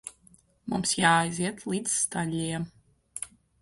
Mums jāaiziet līdz staļļiem.